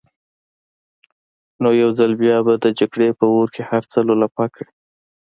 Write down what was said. نو يو ځل بيا به د جګړې په اور کې هر څه لولپه کړي.